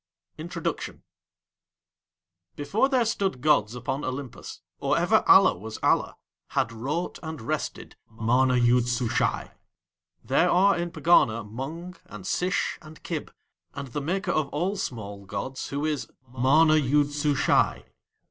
_ INTRODUCTION Before there stood gods upon Olympus, or ever Allah was Allah, had wrought and rested MANA YOOD SUSHAI. There are in Pegana Mung and Sish and Kib, and the maker of all small gods, who is MANA YOOD SUSHAI.